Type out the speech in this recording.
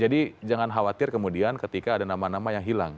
jadi jangan khawatir kemudian ketika ada nama nama yang hilang